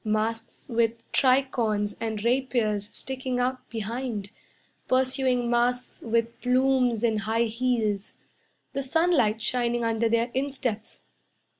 Masks with tricorns and rapiers sticking out behind Pursuing masks with plumes and high heels, The sunlight shining under their insteps.